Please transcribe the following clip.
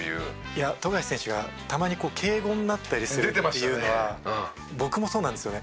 いや富樫選手がたまに敬語になったりするっていうのは僕もそうなんですよね。